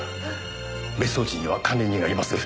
別荘地には管理人がいます。